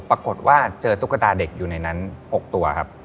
ปรากฏว่าเจอตุ๊กตาเด็กอยู่ในนั้น๖ตัวครับ